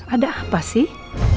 ada apa sih